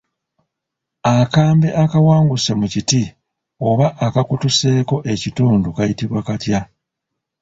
Akambe akawanguse mu kiti oba akakutuseeko ekitundu kayitibwa katya?